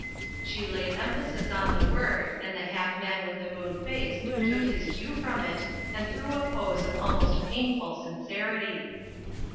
She laid emphasis on the word and the Half Man with the Moon Face took his cue from it and threw a pose of almost painful sincerity.